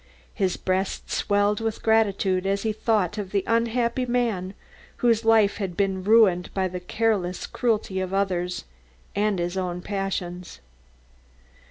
His breast swelled with gratitude as he thought of the unhappy man whose life had been ruined by the careless cruelty of others and his own passions.